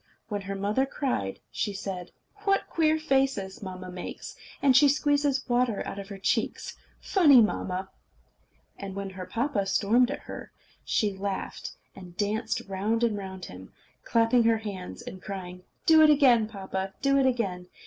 When her mother cried, she said: "What queer faces mamma makes! And she squeezes water out of her cheeks! Funny mamma!" And when her papa stormed at her, she laughed, and danced round and round him, clapping her hands, and crying: "Do it again, papa. Do it again!